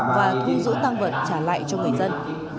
và thu giữ tăng vật trả lại cho người dân